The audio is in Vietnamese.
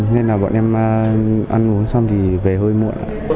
nên là bọn em ăn uống xong thì về hơi muộn ạ